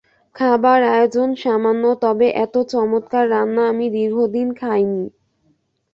খাবার আয়োজন সামান্য, তবে এত চমৎকার রান্না আমি দীর্ঘদিন খাই নি।